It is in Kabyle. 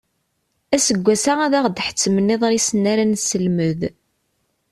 Aseggas-a ad aɣ-d-ḥettmen iḍrisen ara nesselmed.